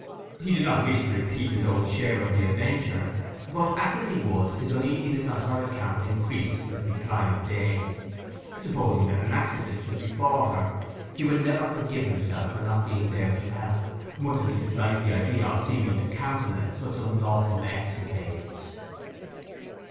He did not wish to repeat his own share of the adventure; but, act as he would, his uneasiness on her account increased with the decline of day. Supposing that an accident should befall her, he would never forgive himself for not being there to help, much as he disliked the idea of seeming to countenance such unlawful escapades.